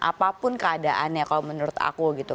apapun keadaannya kalau menurut aku gitu